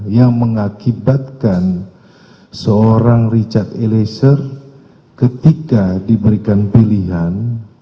yang mengakibatkan seorang richard eliezer ketika diberikan pilihan